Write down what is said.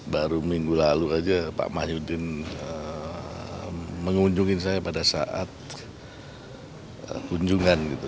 baru minggu lalu aja pak mahyudin mengunjungi saya pada saat kunjungan gitu